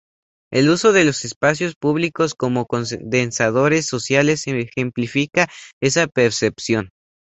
El uso de los espacios públicos como "condensadores sociales" ejemplifica esa percepción.